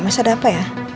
mas ada apa ya